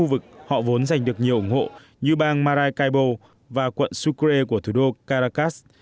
trong các khu vực họ vốn giành được nhiều ủng hộ như bang maracaibo và quận sucre của thủ đô caracas